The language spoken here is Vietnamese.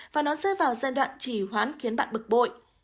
và nó sẽ vào giai đoạn chỉ hoán khiến bạn bực bội